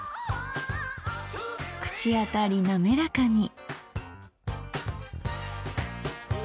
口当たり滑らかに。